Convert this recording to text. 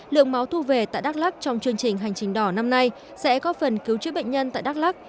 lượng máu thu về tại đắk lắc trong chương trình hành trình đỏ năm nay sẽ có phần cứu chữa bệnh nhân tại đắk lắc